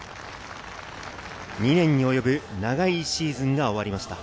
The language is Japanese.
２年に及ぶ長いシーズンが終わりました。